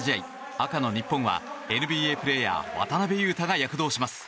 赤の日本は、ＮＢＡプレーヤー渡邊雄太が躍動します。